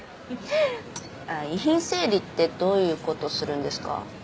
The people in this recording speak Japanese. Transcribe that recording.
遺品整理ってどういう事するんですか？